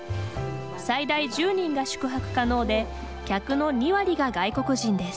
最大１０人が宿泊可能で客の２割が外国人です。